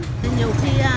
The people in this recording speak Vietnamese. nhiều khi nó cho thuốc vớ vẩn